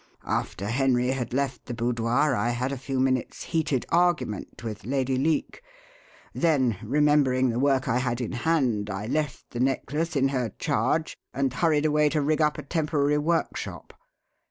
After Henry had left the boudoir I had a few minutes' heated argument with Lady Leake; then, remembering the work I had in hand, I left the necklace in her charge and hurried away to rig up a temporary workshop.